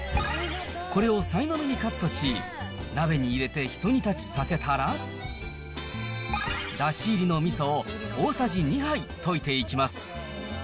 これをさいの目にカットし、鍋に入れて一煮立ちさせたら、だし入りのみそを大さじ２杯溶いていきます。